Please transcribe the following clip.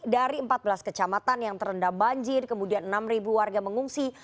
dari empat belas kecamatan yang terendam banjir kemudian enam warga mengungsi